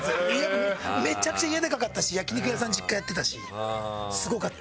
めちゃくちゃ家デカかったし焼き肉屋さん実家やってたしすごかった。